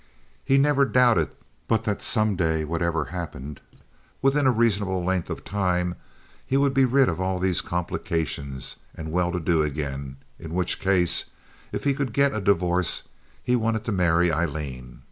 He never doubted but that some day, whatever happened, within a reasonable length of time, he would be rid of all these complications and well to do again, in which case, if he could get a divorce, he wanted to marry Aileen.